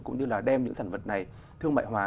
cũng như là đem những sản vật này thương mại hóa